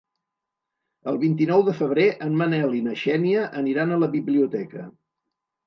El vint-i-nou de febrer en Manel i na Xènia aniran a la biblioteca.